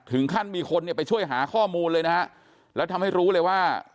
ถึงขั้นมีคนเนี่ยไปช่วยหาข้อมูลเลยนะฮะแล้วทำให้รู้เลยว่า